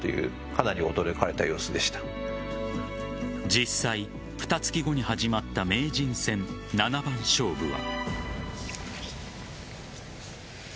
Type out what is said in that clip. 実際、ふた月後に始まった名人戦七番勝負は。